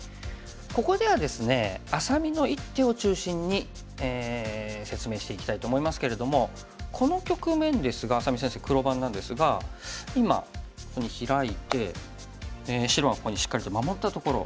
ここではですねあさみの一手を中心に説明していきたいと思いますけれどもこの局面ですが愛咲美先生黒番なんですが今ここにヒラいて白がここにしっかりと守ったところ。